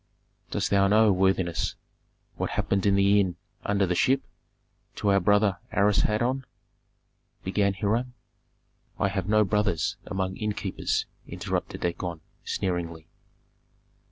"Dost thou know, worthiness, what happened in the inn 'Under the Ship' to our brother Asarhadon?" began Hiram. "I have no brothers among innkeepers," interrupted Dagon, sneeringly.